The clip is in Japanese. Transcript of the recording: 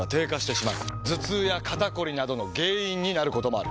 頭痛や肩こりなどの原因になることもある。